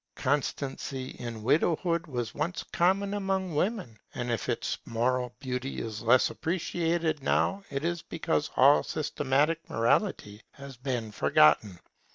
Constancy in widowhood was once common among women; and if its moral beauty is less appreciated now, it is because all systematic morality has been forgotten.